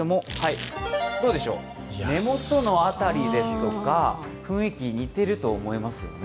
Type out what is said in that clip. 目元の辺りですとか雰囲気、似てると思いますよね。